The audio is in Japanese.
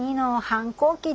反抗期？